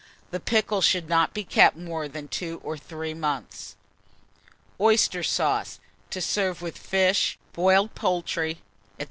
The pickle should not be kept more than 2 or 3 months. OYSTER SAUCE, to serve with Fish, Boiled Poultry, &c.